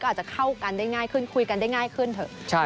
อาจจะเข้ากันได้ง่ายขึ้นคุยกันได้ง่ายขึ้นเถอะ